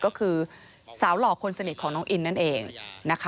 ก็คือสาวหล่อคนสนิทของน้องอินนั่นเองนะคะ